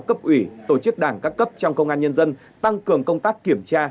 cấp ủy tổ chức đảng các cấp trong công an nhân dân tăng cường công tác kiểm tra